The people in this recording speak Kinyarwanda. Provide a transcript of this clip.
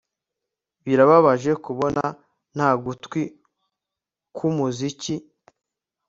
Birababaje kubona nta gutwi kwumuziki